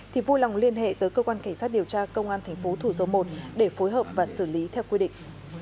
thì vui lòng liên hệ tới cơ quan cảnh sát điều tra công an thành phố thủ dầu một để phối hợp và xử lý theo quy định